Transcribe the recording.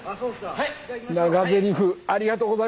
はい。